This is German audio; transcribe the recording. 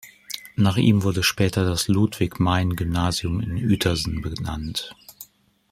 Nach ihm wurde später das Ludwig-Meyn-Gymnasium in Uetersen benannt.